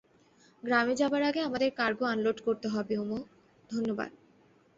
গ্রামে যাবার আগে আমাদের কার্গো আনলোড করতে হবে উম, ধন্যবাদ।